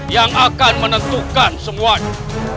yang akan menentukan semuanya